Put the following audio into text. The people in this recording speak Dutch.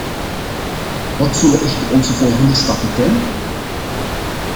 Wat zullen echter onze volgende stappen zijn?